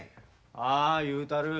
ああ言うたる。